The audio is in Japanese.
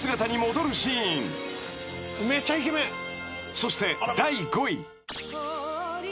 ［そして第５位］